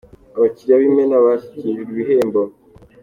Abakiliya b’imena ba bashyikirijwe ibihembo